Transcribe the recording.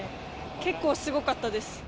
結構すごかったです。